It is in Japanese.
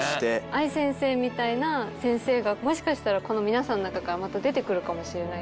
愛先生みたいな先生がもしかしたらこの皆さんの中からまた出てくるかもしれないとか思うと。